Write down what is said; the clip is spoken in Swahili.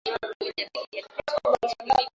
Inchi ya kwanza ku bunene mu afrika ni algeria